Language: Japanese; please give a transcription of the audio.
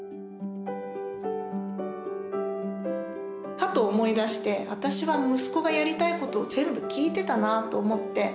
は！っと思い出して私は息子がやりたいことを全部聞いてたなと思って。